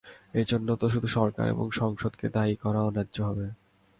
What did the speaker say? এ জন্য তো শুধু সরকার ও সংসদকেই দায়ী করা অন্যায্য হবে।